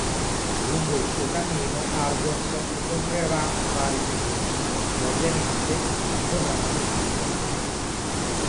Lungo il suo cammino, Argos incontrerà vari nemici, che ovviamente dovrà sconfiggere.